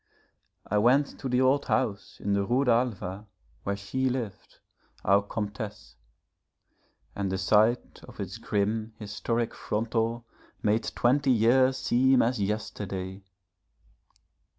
I went to the old house in the Rue d'Alva where she lived, our Comtesse. And the sight of its grim, historic frontal made twenty years seem as yesterday.